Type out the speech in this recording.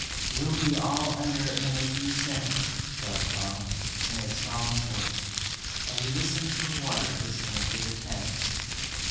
"We'll be all under in a few seconds," spoke Tom in a solemn voice, as he listened to the water hissing into the tanks.